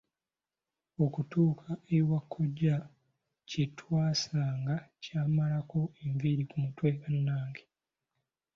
Okutuuka ewa kkojja, kye twasanga kyammalako enviiri ku mutwe bannange.